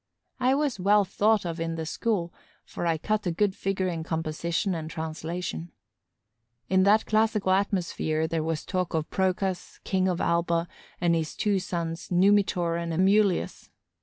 I was well thought of in the school, for I cut a good figure in composition and translation. In that classical atmosphere, there was talk of Procas, King of Alba, and of his two sons, Numitor and Amulius.